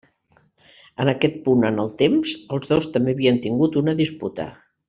En aquest punt en el temps, els dos també havien tingut una disputa.